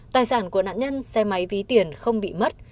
tài sản của nạn nhân xe máy ví tiền không bị mất